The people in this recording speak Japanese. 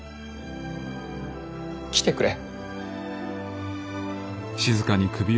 来てくれ。